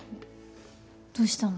どうしたの？